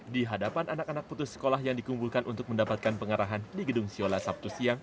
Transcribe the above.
di hadapan anak anak putus sekolah yang dikumpulkan untuk mendapatkan pengarahan di gedung siola sabtu siang